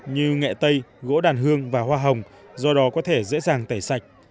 như nghẹ tây gỗ đàn hương và hoa hồng do đó có thể dễ dàng tẩy sạch